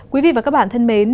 quý vị và các bạn thân mến